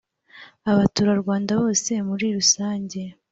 abaturarwanda bose muri rusange